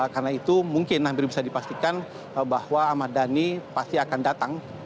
karena itu mungkin hampir bisa dipastikan bahwa ahmad dhani pasti akan datang